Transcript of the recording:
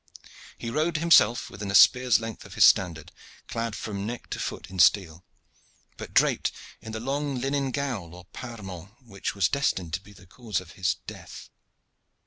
He rode himself within a spear's length of his standard, clad from neck to foot in steel, but draped in the long linen gown or parement which was destined to be the cause of his death.